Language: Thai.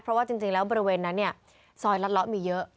เพราะว่าจริงแล้วบริเวณนั้นเนี่ยซอยรัดเลาะมีเยอะ